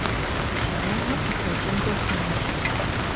Щыуагъэ къыхэкӏынкӏэ хъунущ.